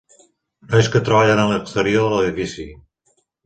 Nois que treballen a l'exterior de l'edifici.